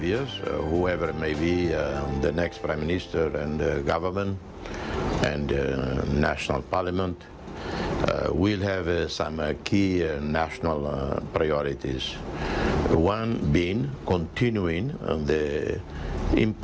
อย่างน้ำที่รวมตรีที่ทำให้เปลี่ยนการระบบทางแดด